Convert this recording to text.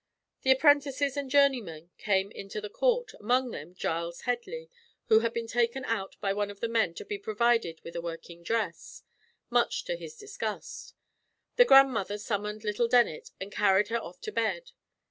The apprentices and journeymen came into the court, among them Giles Headley, who had been taken out by one of the men to be provided with a working dress, much to his disgust; the grandmother summoned little Dennet and carried her off to bed.